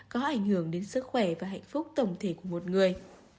có ảnh hưởng đến sức khỏe và hạnh phúc tổng thể của một người